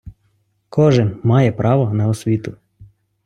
Кожен має право на освіту.